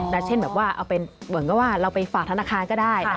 แล้วเช่นแบบว่าเอาเป็นเหมือนกับว่าเราไปฝากธนาคารก็ได้